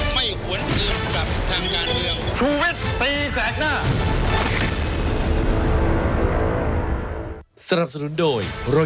ไม่หวนเกินกับทางงานเดียว